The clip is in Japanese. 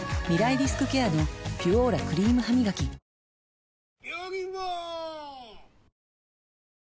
リスクケアの「ピュオーラ」クリームハミガキヘイ！